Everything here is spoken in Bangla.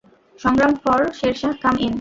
সংগ্রাম ফর শেরশাহ, কাম ইন!